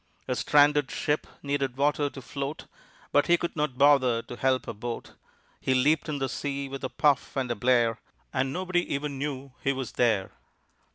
A stranded ship needed water to float, But he could not bother to help a boat. He leaped in the sea with a puff and a blare And nobody even knew he was there!